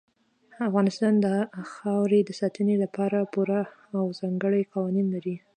افغانستان د خاورې د ساتنې لپاره پوره او ځانګړي قوانین لري.